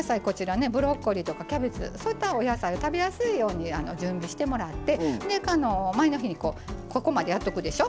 ブロッコリーとかキャベツそういったお野菜を食べやすいように準備してもらって前の日にここまでやっとくでしょ。